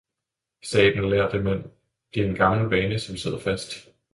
sagde den lærde mand, det er gammel vane, som sidder fast!